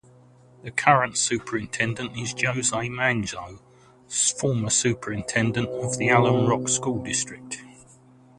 The current superintendent is Jose Manzo, former superintendent of the Alum Rock School District.